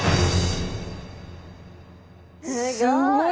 すごい！